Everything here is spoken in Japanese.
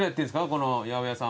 この八百屋さんは。